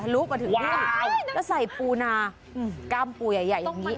แล้วใส่ปูนากล้ามปูใหญ่อย่างนี้